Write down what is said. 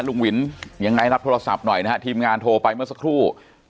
ลุงวินยังไงรับโทรศัพท์หน่อยนะฮะทีมงานโทรไปเมื่อสักครู่